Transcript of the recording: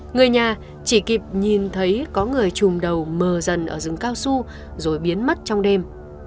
người nhà chỉ kịp nhìn thấy có người chùm đầu mờ dần ở rừng cao su rồi biến mất trong đêm